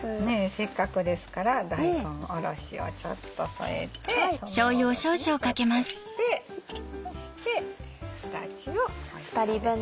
せっかくですから大根おろしをちょっと添えて染めおろしちょっとしてそしてすだちを。